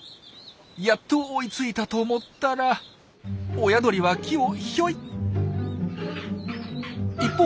やっと追いついたと思ったら親鳥は木をヒョイ！